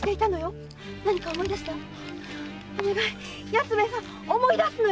安兵衛さん思い出すのよ！